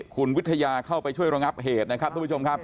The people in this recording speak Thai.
คุณวิทยาเข้าไปช่วยระงับเหตุนะครับทุกผู้ชมครับ